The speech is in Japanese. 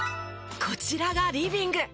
こちらがリビング。